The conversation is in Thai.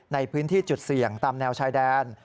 ในพื้นที่จุดเสี่ยงตามแนวชายแดน